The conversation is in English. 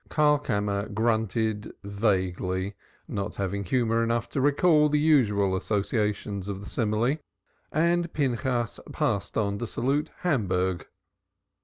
Karlkammer grunted vaguely, not having humor enough to recall the usual associations of the simile, and Pinchas passed on to salute Hamburg.